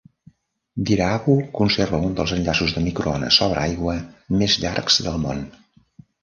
Dhiraagu conserva un dels enllaços de microones sobre aigua més llargs del món.